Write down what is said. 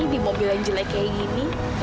di mobil yang jelek kayak gini